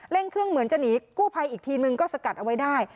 เครื่องเหมือนจะหนีกู้ภัยอีกทีนึงก็สกัดเอาไว้ได้